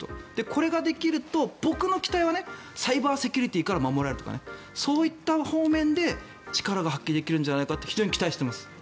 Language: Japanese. これができると僕の期待はねサイバーセキュリティーから守られるとか、そういった方面で力が発揮できるのではと非常に期待しています。